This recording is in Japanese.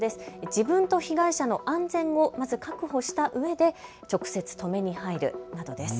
自分と被害者の安全をまず確保したうえで直接止めに入るなどです。